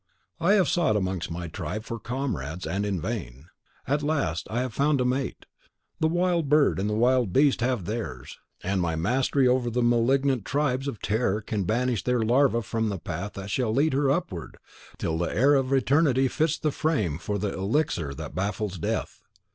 I have sought amongst my tribe for comrades, and in vain. At last I have found a mate. The wild bird and the wild beast have theirs; and my mastery over the malignant tribes of terror can banish their larvae from the path that shall lead her upward, till the air of eternity fits the frame for the elixir that baffles death."